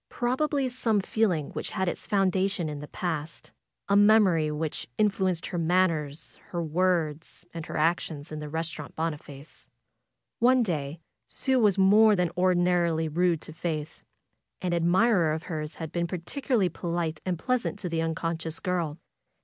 Prob ably some feeling which had its foundation in the past ; a memory which influenced her manners, her words and her actions in the Restaurant Boniface. One day Sue was more than ordinarily rude to Faith. An admirer of hers had been particularly polite and pleasant to the unconscious girl.